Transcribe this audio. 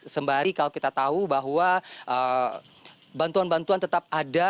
sembari kalau kita tahu bahwa bantuan bantuan tetap ada